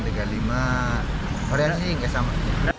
variannya ini sama